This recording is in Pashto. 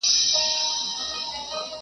د څپو غېږته قسمت وو غورځولی.!